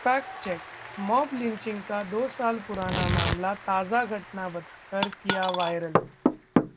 fact check: mob lynching का दो साल पुराना मामला ताजा घटना बताकर किया वायरल